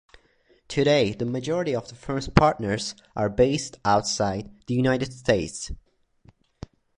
Today, the majority of the firm's partners are based outside the United States.